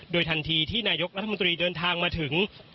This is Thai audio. โดยทันทีที่นายกรัฐมนตรีเดินทางมาถึง